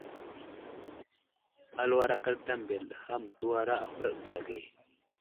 Aluwar akaɗta mbele ɗi ham təwara a huraɗ bəra ge.